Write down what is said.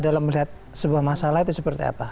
dalam melihat sebuah masalah itu seperti apa